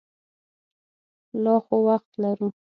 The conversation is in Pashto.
لا خو وخت لرو.